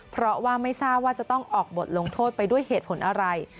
เพราะว่าไม่ทราบว่าจะต้องออกบทลงโทษไปด้วยเหตุผลอะไร